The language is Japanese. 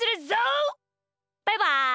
バイバイ！